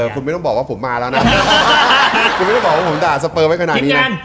คุณไม่ต้องบอกว่าผมมาแล้วนะ